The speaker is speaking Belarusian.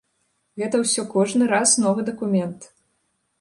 Гэта ўсё кожны раз новы дакумент.